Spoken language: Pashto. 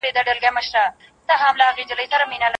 جغرافیه زموږ په کلتور ژور اغېز کوي.